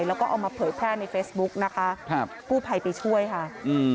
แล้วก็เอามาเผยแพร่ในเฟซบุ๊กนะคะครับกู้ภัยไปช่วยค่ะอืม